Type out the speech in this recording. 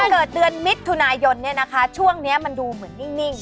เกิดเดือนมิถุนายนเนี่ยนะคะช่วงนี้มันดูเหมือนนิ่ง